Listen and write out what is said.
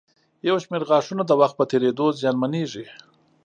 یو شمېر غاښونه د وخت په تېرېدو زیانمنېږي.